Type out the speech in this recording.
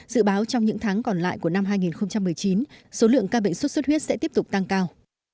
dự báo trong những tháng còn lại của năm hai nghìn một mươi chín số lượng ca bệnh sốt xuất huyết sẽ tiếp tục tăng cao